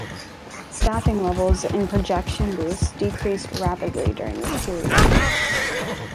Staffing levels in projection booths decreased rapidly during this period.